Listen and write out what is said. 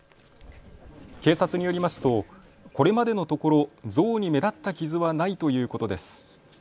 警察によりますとこれまでのところ像に目立った傷はないということです。